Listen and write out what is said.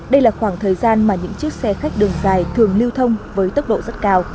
đây là khoảng thời gian mà những chiếc xe khách đường dài thường lưu thông với tốc độ rất cao